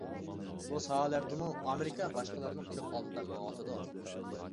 بۇ ساھەلەردىمۇ ئامېرىكا باشقىلارنىڭ كۆپ ئالدىدا مېڭىۋاتىدۇ.